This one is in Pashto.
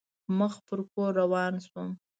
مخ په کور روان شوم.